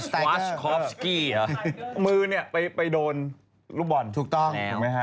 สไตเกอร์สไตเกอร์มือเนี่ยไปโดนลูกบอลถูกต้องถูกไหมฮะ